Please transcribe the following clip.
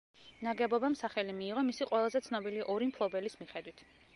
ნაგებობამ სახელი მიიღო მისი ყველაზე ცნობილი ორი მფლობელის მიხედვით.